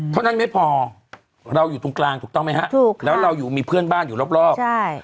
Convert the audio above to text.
เท่านั้นไม่พอเราอยู่ตรงกลางถูกต้องไหมฮะถูกแล้วเราอยู่มีเพื่อนบ้านอยู่รอบใช่